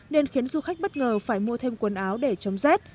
nên khiến du khách bất ngờ phải mua thêm quần áo để chống rét